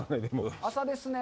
朝ですね。